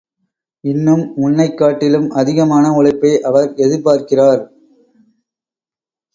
இன்னும், முன்னைக் காட்டிலும் அதிகமான உழைப்பை அவர் எதிர்பார்க்கிறார்.